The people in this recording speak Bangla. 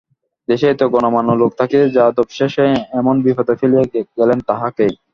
দেশে এত গণ্যমান্য লোক থাকিতে যাদব শেষে এমন বিপদে ফেলিয়া গেলেন তাহাকেই।